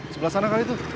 sebelah sana kali itu